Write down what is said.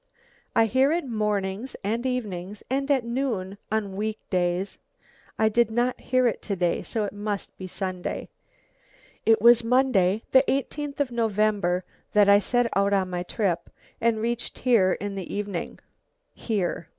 I hear it mornings and evenings and at noon, on week days. I did not hear it to day, so it must be Sunday. It was Monday, the 18th of November, that I set out on my trip, and reached here in the evening (here?